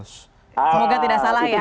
semoga tidak salah ya